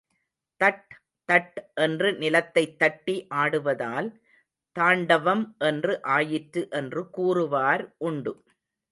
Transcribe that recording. That தட் என்று நிலத்தைத் தட்டி ஆடுவதால் தாண்டவம் என்று ஆயிற்று என்று கூறுவார் உண்டு.